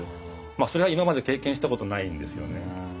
まあそれは今まで経験したことないんですよね。